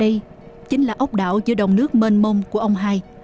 đây chính là ốc đảo giữa đồng nước mênh mông của ông hai